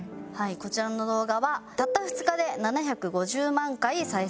こちらの動画はたった２日で７５０万回再生されました。